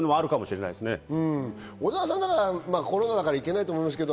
小澤さんだからコロナだからいけないと思いますけど。